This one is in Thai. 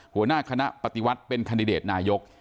หัวหน้าคณะปฏิวัติเป็นคันดิเดตนายก